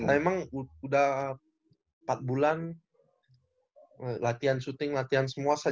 saya emang udah empat bulan latihan shooting latihan semua